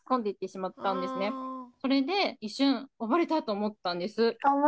それで一瞬溺れたと思ったんです。